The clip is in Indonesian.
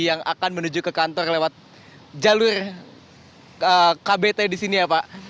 yang akan menuju ke kantor lewat jalur kbt di sini ya pak